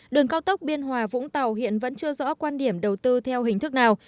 đường cao tốc biên hòa vũng tàu hiện vẫn chưa rõ quan điểm đầu tư theo hình thức nào